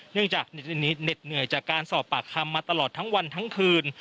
เนื่องจากนี้เหน็ดเหนื่อยจากการสอบปากคำมาตลอดทั้งวันทั้งคืน